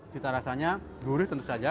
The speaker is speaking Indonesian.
cita rasanya gurih tentu saja